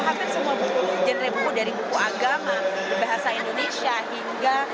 hatta semua genre buku dari buku agama bahasa indonesia hingga buku berbahasa indonesia